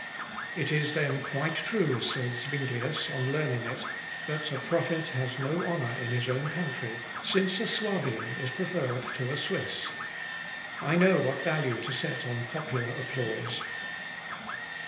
"It is then quite true," said Zuinglius, on learning it, "that a prophet has no honour in his own country, since a Suabian is preferred to a Swiss. I know what value to set on popular applause."